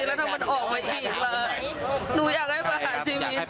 แล้วถ้ามันออกมาอีกหลายหนูอยากได้ประหารชีวิต